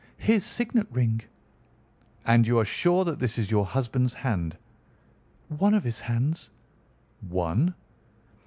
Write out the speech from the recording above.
His signet ring." "And you are sure that this is your husband's hand?" "One of his hands." "One?"